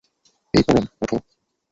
এই পরম, ওঠো!